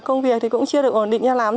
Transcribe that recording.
công việc thì cũng chưa được ổn định cho lắm